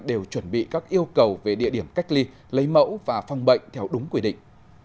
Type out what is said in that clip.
đều chuẩn bị các yêu cầu về địa điểm cách ly lấy mẫu và phòng bệnh theo đúng quy định